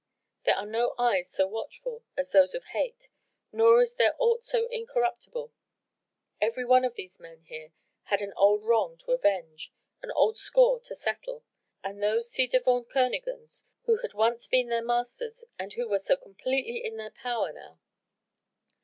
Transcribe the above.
There are no eyes so watchful as those of hate, nor is there aught so incorruptible. Every one of these men here had an old wrong to avenge, an old score to settle with those ci devant Kernogans who had once been their masters and who were so completely in their power now.